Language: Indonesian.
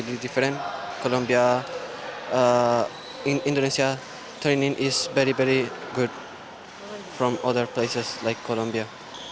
ketentuan antara kolombia dan indonesia adalah sangat baik dari tempat lain seperti kolombia